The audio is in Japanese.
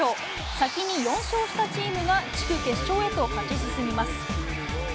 先に４勝したチームが地区決勝へと勝ち進みます。